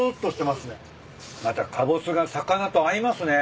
またカボスが魚と合いますね。